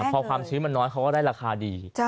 พอความชื้นมันน้อยเขาก็ได้ราคาดี